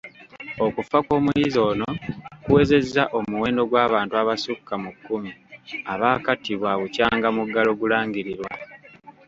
Okufa kw'omuyizi ono, kuwezezza omuwendo gw'abantu abasukka mu kkumi abaakattibwa bukyanga muggalo gulangirirwa.